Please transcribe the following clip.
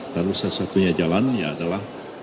lalu satu satunya jalan ya adalah